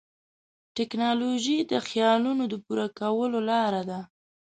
ټیکنالوژي د خیالونو د پوره کولو لاره ده.